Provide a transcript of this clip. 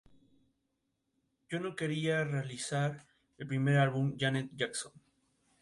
Sin embargo, chocó con los funcionarios imperiales enviados y no hubo ningún acuerdo.